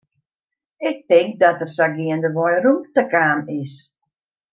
Ik tink dat der sa geandewei rûmte kaam is.